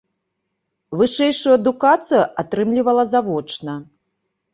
Вышэйшую адукацыю атрымлівала завочна.